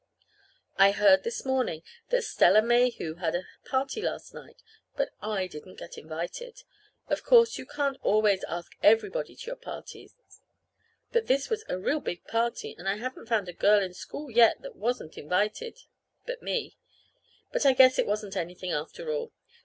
I heard this morning that Stella Mayhew had a party last night. But I didn't get invited. Of course, you can't always ask everybody to your parties, but this was a real big party, and I haven't found a girl in school, yet, that wasn't invited but me. But I guess it wasn't anything, after all.